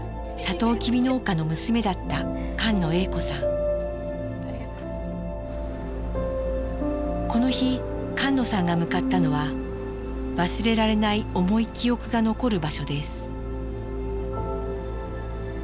とうきび農家の娘だったこの日菅野さんが向かったのは忘れられない重い記憶が残る場所です。